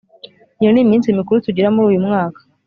Iyo ni yo minsi mikuru tugira muri uyu mwaka